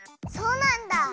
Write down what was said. そうなんだ！